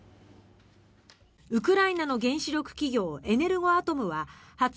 ウクライナの原子力企業エネルゴアトムは２０日